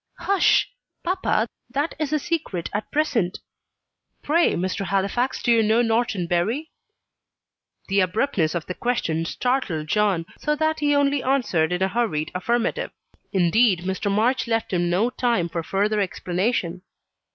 "Hush! papa, that is a secret at present. Pray, Mr. Halifax, do you know Norton Bury?" The abruptness of the question startled John, so that he only answered in a hurried affirmative. Indeed, Mr. March left him no time for further explanation.